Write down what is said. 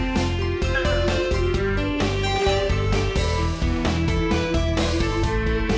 tuh udah ngelakuin